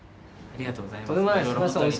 ありがとうございます。